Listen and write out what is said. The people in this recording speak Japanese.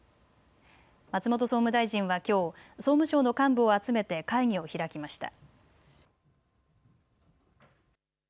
松本総務大臣はきょう、総務省の幹部を集めて会議を開きました。